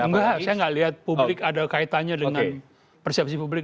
enggak saya nggak lihat publik ada kaitannya dengan persepsi publik